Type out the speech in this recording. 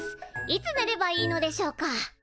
いつねればいいのでしょうか？